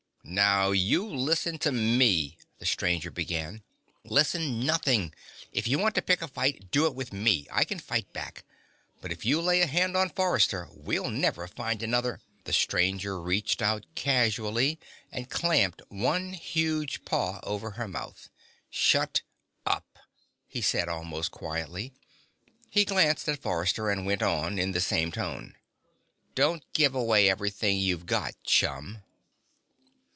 "Now you listen to me " the stranger began. "Listen, nothing! If you want to pick a fight, do it with me I can fight back! But if you lay a hand on Forrester, we'll never find another " The stranger reached out casually and clamped one huge paw over her mouth. "Shut up," he said, almost quietly. He glanced at Forrester and went on, in the same tone: "Don't give away everything you've got, chum."